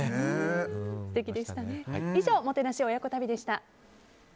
以上、もてなし親子旅でした。